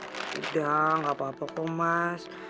tidak gak apa apa kok mas